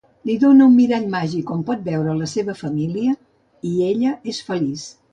Li dóna un mirall màgic on pot veure la seva família i ella és feliç.